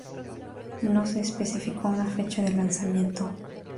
No se especificó una fecha de lanzamiento.